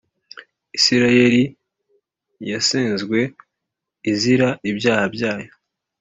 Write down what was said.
Isirayeli yasenzwe izira ibyaha byayo